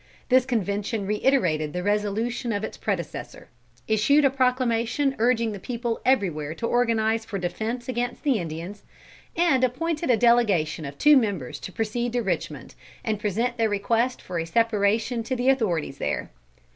This convention reiterated the resolution of its predecessor; issued a proclamation urging the people everywhere to organise for defence against the Indians, and appointed a delegation of two members to proceed to Richmond, and present their request for a separation to the authorities there.